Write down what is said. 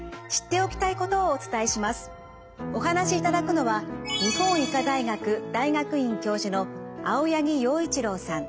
お話しいただくのは日本医科大学大学院教授の青柳陽一郎さん。